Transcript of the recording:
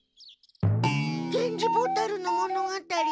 ゲンジボタルの物語？